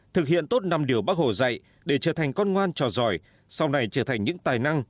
thực hiện tốt năm điều bác hồ dạy để trở thành con ngoan trò giỏi sau này trở thành những tài năng